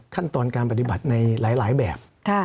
ขั้นตอนการปฏิบัติในหลายแบบ